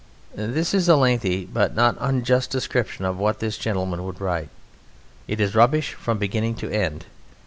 This is a lengthy but not unjust description of what this gentleman would write; it is rubbish from beginning to end.